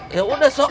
kamu si ceng